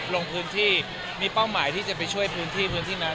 ลงพื้นที่มีเป้าหมายที่จะไปช่วยพื้นที่พื้นที่นั้น